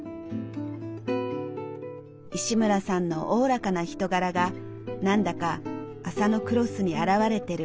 石村さんのおおらかな人柄が何だか麻のクロスに表れてる。